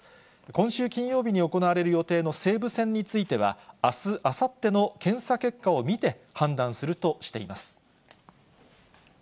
今週金曜日に行われる予定の西武戦については、あす、あさっての検査結果を見て、判断するとしています。